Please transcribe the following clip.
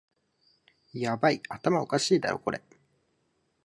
ヤバい、頭おかしいだろこれ